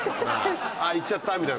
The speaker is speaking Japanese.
言っちゃった！みたいな。